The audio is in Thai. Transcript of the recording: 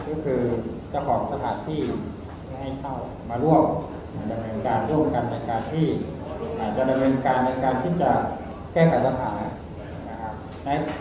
ก็คือจะขอบสถาทที่ให้เช่ามาร่วมกันในการที่จะแก้ประสาทภาพ